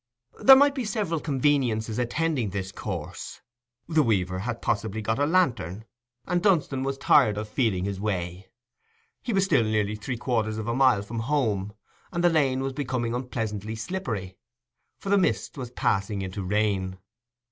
There might be several conveniences attending this course: the weaver had possibly got a lantern, and Dunstan was tired of feeling his way. He was still nearly three quarters of a mile from home, and the lane was becoming unpleasantly slippery, for the mist was passing into rain.